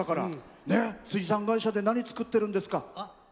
水産会社で何作ってるんですか？